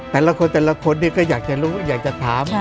แต่ละคนในคนอื่นก็อยากจะรู้อยากจะถาม